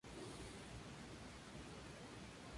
Las flores son de color rosa y están en grandes racimos.